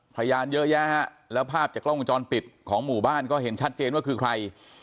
พยานเยอะแยะฮะแล้วภาพจากกล้องวงจรปิดของหมู่บ้านก็เห็นชัดเจนว่าคือใคร